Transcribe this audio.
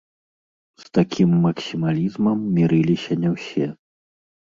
З такім максімалізмам мірыліся не ўсе.